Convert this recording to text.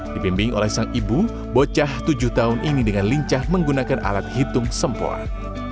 dibimbing oleh sang ibu bocah tujuh tahun ini dengan lincah menggunakan alat hitung sempurna